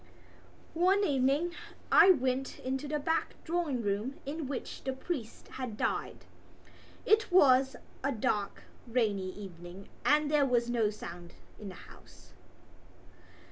One evening I went into the back drawing room in which the priest had died. It was a dark rainy evening and there was no sound in the house.